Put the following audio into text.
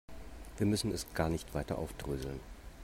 Wir müssen es gar nicht weiter aufdröseln.